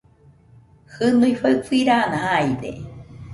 Jɨnui faifirana jaide